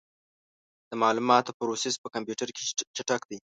د معلوماتو پروسس په کمپیوټر کې چټک دی.